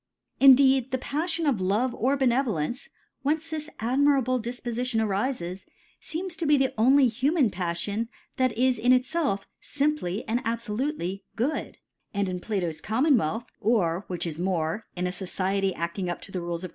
Indeed the Paflion of Love or Be nevolence whence this admirable Difpofi tion arifes, feems to be the only human Paflion that is in itielf (imply and abfolutely good ; and in Plalo^s Commonwealth or (which is more) in a Society afting up to the ( i66 ). t*he Rules of.